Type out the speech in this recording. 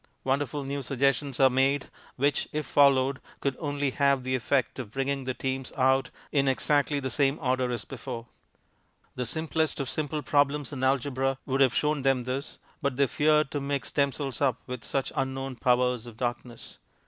Wonderful new suggestions are made which, if followed, could only have the effect of bringing the teams out in exactly the same order as before. The simplest of simple problems in algebra would have shown them this, but they feared to mix themselves up with such unknown powers of darkness.